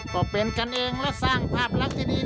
ก็เป็นกันเองและสร้างภาพลักษณ์ที่ดี